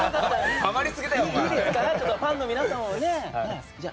ファンの皆さん。